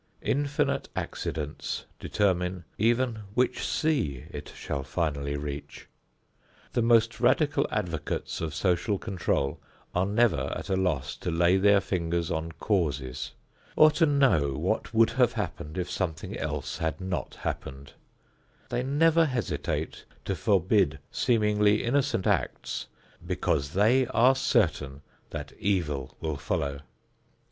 Infinite accidents determine even which sea it shall finally reach. The most radical advocates of social control are never at a loss to lay their fingers on causes or to know what would have happened if something else had not happened; they never hesitate to forbid seemingly innocent acts because they are certain that evil will follow.